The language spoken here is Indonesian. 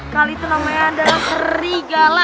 kali itu namanya adalah serigala